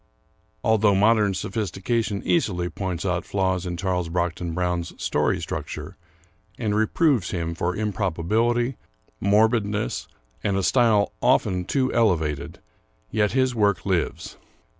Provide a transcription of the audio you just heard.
Although modern sophistication easily points out flaws in Charles Brockden Brown's story structure, and reproves him for improbability, morbidness, and a style often too elevated, yet his work lives.